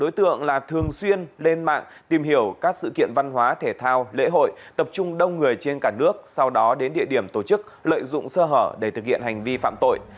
đối tượng là thường xuyên lên mạng tìm hiểu các sự kiện văn hóa thể thao lễ hội tập trung đông người trên cả nước sau đó đến địa điểm tổ chức lợi dụng sơ hở để thực hiện hành vi phạm tội